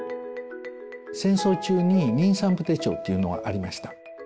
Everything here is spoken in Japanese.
戦争中に妊産婦手帳っていうのがありました。